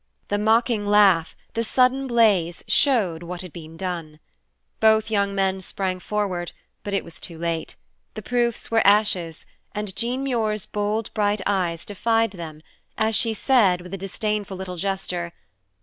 The mocking laugh, the sudden blaze, showed what had been done. Both young men sprang forward, but it was too late; the proofs were ashes, and Jean Muir's bold, bright eyes defied them, as she said, with a disdainful little gesture.